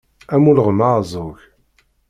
Am ulɣem aɛeẓẓug.